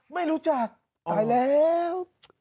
ไม่รู้จักตายแล้ว